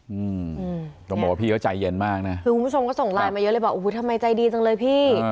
อืมต้องบอกว่าพี่เขาใจเย็นมากนะคือคุณผู้ชมก็ส่งไลน์มาเยอะเลยบอกอุ้ยทำไมใจดีจังเลยพี่